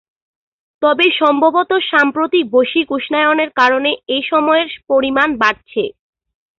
তবে সম্ভবত সাম্প্রতিক বৈশ্বিক উষ্ণায়নের কারণে এই সময়ের পরিমাণ বাড়ছে।